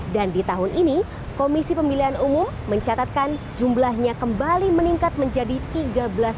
dan di tahun ini komisi pemilihan umum mencatatkan jumlahnya kembali meningkat menjadi sembilan daerah